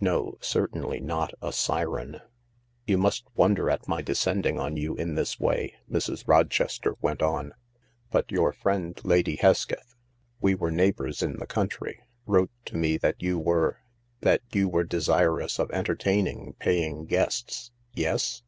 No— certainly not a siren. " You must wonder at my descending on you in this way," Mrs. Rochester went on, but your friend Lady Hesketh— we were neighbours in the country— wrote to me that you we re— that you were desirous of entertaining paying guests. Yes?"